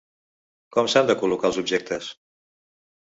Com s'han de col·locar els objectes?